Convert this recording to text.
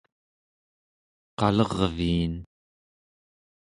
qalerviin